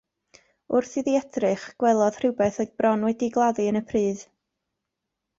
Wrth iddi edrych gwelodd rywbeth oedd bron wedi'i gladdu yn y pridd.